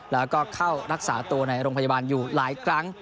แล้วก็เข้ารักษาตัวในโรงพยาบาลอยู่หลายครั้ง